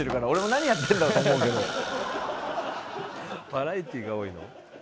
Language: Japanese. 「バラエティーが多いの？」